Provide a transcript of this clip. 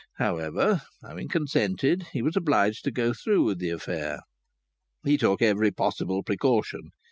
However, having consented, he was obliged to go through with the affair. He took every possible precaution.